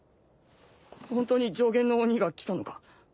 ホントに上弦の鬼が来たのか？